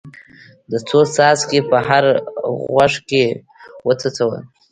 ده څو څاڅکي په هر غوږ کې وڅڅول.